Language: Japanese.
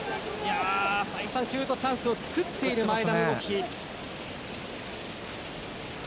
再三シュートチャンスを作っている前田の動き。